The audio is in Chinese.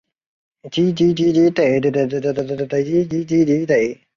这将会根治目前缺乏条理而又具分裂性的生产和贸易关系。